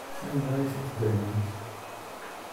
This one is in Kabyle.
Anda ay tent-tdehnemt?